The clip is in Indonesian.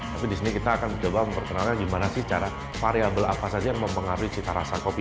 tapi di sini kita akan mencoba memperkenalkan gimana sih cara variable apa saja yang mempengaruhi cita rasa kopi